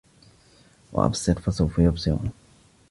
وأبصر فسوف يبصرون